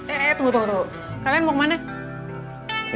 eh tunggu tunggu kalian mau kemana